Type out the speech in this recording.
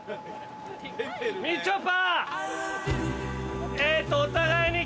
みちょぱ。